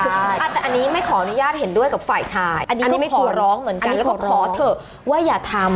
แต่อันนี้ไม่ขออนุญาตเห็นด้วยกับฝ่ายชายอันนี้ไม่ขอร้องเหมือนกันแล้วก็ขอเถอะว่าอย่าทำ